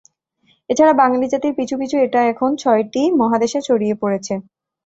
এছাড়া বাঙালি জাতির পিছু পিছু এটা এখন ছয়টি মহাদেশে ছড়িয়ে পড়েছে।